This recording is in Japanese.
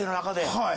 はい。